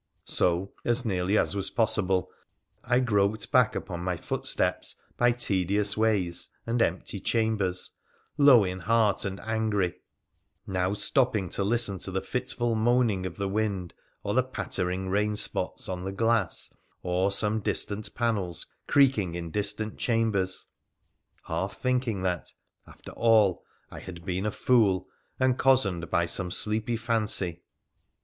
So, as nearly as was possible, I groped back upon my foot steps by tedious ways and empty chambers, low in heart and angry ; now stopping to listen to the fitful moaning of the wind or the pattering rain spots on the glass, or some distant panels creaking in distant chambers ; half thinking that, after all, I had been a fool, and cozened by some sleepy fancy.